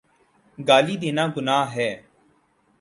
گالی دینا گناہ ہے۔